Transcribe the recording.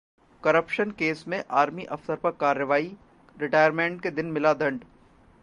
corruption case में army अफसर पर कार्रवाई, रिटायरमेंट के दिन मिला दंड